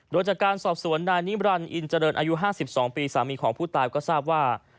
โดยจากการสอบสวนนายนิมรันดิอินเจริญอายุ๕๒ปีสามีของผู้ตายก็ทราบว่า